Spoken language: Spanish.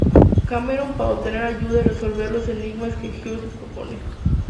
Cameron para obtener ayuda y resolver los enigmas que House les propone.